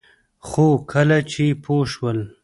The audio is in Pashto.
خو کله چې پوه شول